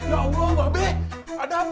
ya allah babel ada apaan nih be